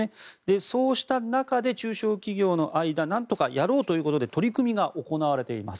そうした中で中小企業の間なんとかやろうということで取り組みが行われています。